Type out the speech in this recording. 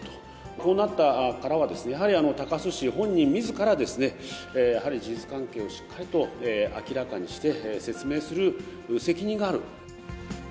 こうなったからはですね、やはり高須氏本人みずから、やはり事実関係をしっかりと明らかにして説明する責任がある。